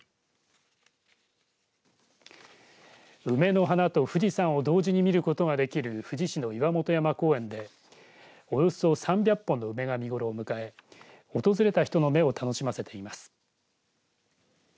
梅の花と富士山を同時に見ることができる富士市の岩本山公園でおよそ３００本の梅が見ごろを迎え訪れた人の目を楽しませています。